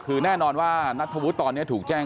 คือแน่นอนว่านัทธวุฒิตอนนี้ถูกแจ้ง